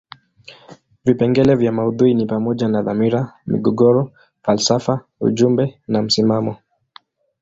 Vipengele vya maudhui ni pamoja na dhamira, migogoro, falsafa ujumbe na msimamo.